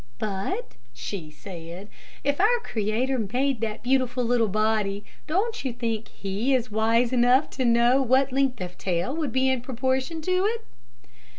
"But," she said, "if our Creator made that beautiful little body, don't you think he is wise enough to know what length of tail would be in proportion to it?"